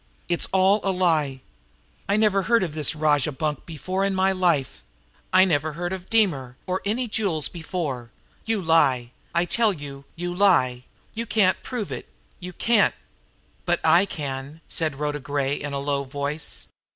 "It's all a lie! I never heard of this rajah bunk before in my life! I never heard of Deemer, or any jewels before. You lie! I tell you, you lie! You can't prove it; you can't " "But I can," said Rhoda Gray in a low voice.